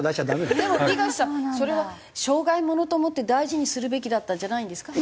でも東さんそれは生涯ものと思って大事にするべきだったんじゃないんですか？